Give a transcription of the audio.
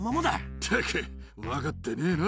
ったく、分かってねえな。